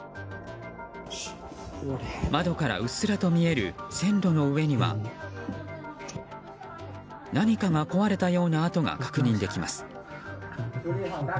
窓からうっすらと見える線路の上には何かが壊れたような跡が確認できます。